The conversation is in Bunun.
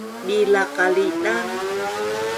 bilaq qalidang